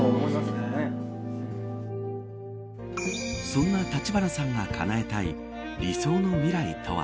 そんな橘さんがかなえたい理想の未来とは